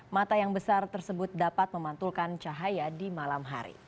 mata yang besar tersebut dapat memantulkan cahaya di malam hari